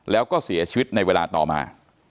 แล้วก็เสียชีวิตในเวลาต่อมา